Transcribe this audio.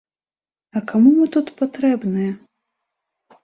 А каму мы тут патрэбныя?